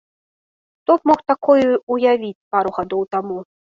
Хто б мог такое ўявіць пару гадоў таму?